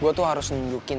gue tuh harus nunjukin